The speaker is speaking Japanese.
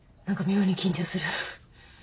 何か妙に緊張する。